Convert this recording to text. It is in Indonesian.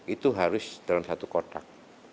itu harus dalam satu kotak